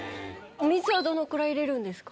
お水はどのくらい入れるんですか？